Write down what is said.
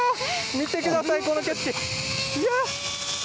見てください、この景色。